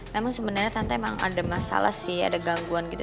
memang sebenarnya tante emang ada masalah sih ada gangguan gitu